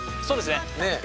そうですね。